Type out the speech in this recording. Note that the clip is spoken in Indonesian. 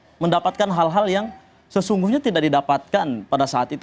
untuk mendapatkan hal hal yang sesungguhnya tidak didapatkan pada saat itu